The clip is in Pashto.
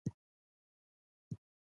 ستا خدوخال